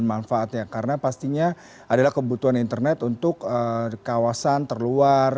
manfaatnya karena pastinya adalah kebutuhan internet untuk kawasan terluar